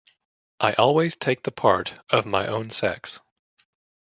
I always take the part of my own sex.